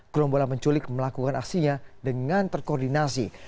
grombola penculik melakukan aksinya dengan terkoordinasi